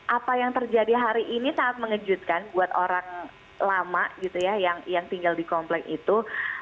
apa yang terjadi hari ini sangat mengejutkan buat orang lama gitu ya yang tinggal di komplek itu